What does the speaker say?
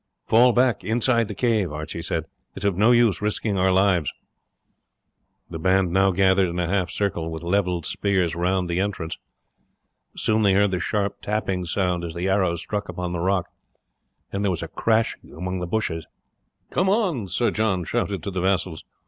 "Fall back inside the cave," Archie said; "it is of no use risking our lives." The band now gathered in a half circle, with level spears, round the entrance. Soon they heard a sharp tapping sound as the arrows struck upon the rock, then there was a crashing among the bushes. "Come on!" Sir John Kerr shouted to the vassals.